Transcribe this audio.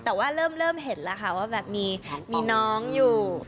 แต่ว่าเริ่มเห็นแล้วค่ะว่าแบบมีน้องอยู่